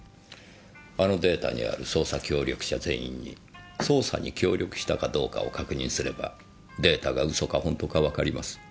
あのデータにある捜査協力者全員に捜査に協力したかどうかを確認すればデータが嘘か本当かわかります。